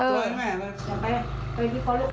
เออเออ